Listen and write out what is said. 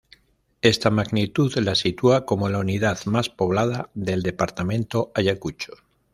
Esta magnitud la sitúa como la unidad más poblada del departamento Ayacucho.